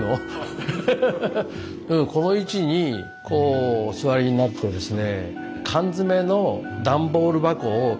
この位置にこうお座りになってですね